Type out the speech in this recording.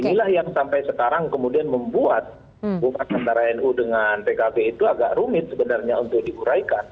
inilah yang sampai sekarang kemudian membuat hubungan antara nu dengan pkb itu agak rumit sebenarnya untuk diuraikan